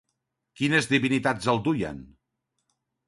Quines divinitats el duien?